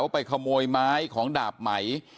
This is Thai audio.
ไปขโมยไม้ของดาบไหม